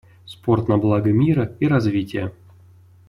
Спорт на благо мира и развития.